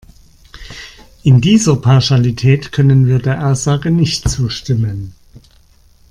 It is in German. In dieser Pauschalität können wir der Aussage nicht zustimmen.